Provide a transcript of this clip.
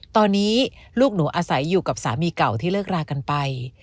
ตอนนี้ลูกหนูอาศัยอยู่กับสามีเก่าที่เลิกรากันไป